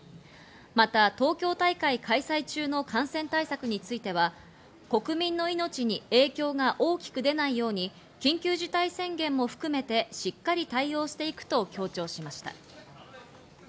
また東京大会開催中の感染対策については、国民の命に影響が大きく出ないように緊急事態宣言も含めてしっかり対応していくと強調しました。